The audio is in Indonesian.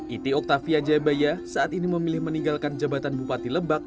iti oktavia jayabaya saat ini memilih meninggalkan jabatan bupati lebak